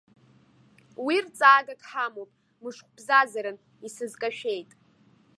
Уи рҵаагак ҳамоуп, мышхәбзазаран исызкашәеит.